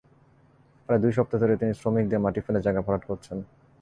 প্রায় দুই সপ্তাহ ধরে তিনি শ্রমিক দিয়ে মাটি ফেলে জায়গা ভরাট করছেন।